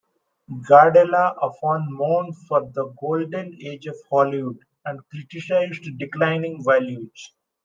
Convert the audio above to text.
Gardella often mourned for the "golden age of Hollywood" and criticized declining values.